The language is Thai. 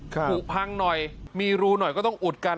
ผูกพังหน่อยมีรูหน่อยก็ต้องอุดกัน